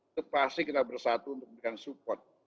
itu pasti kita bersatu untuk memberikan support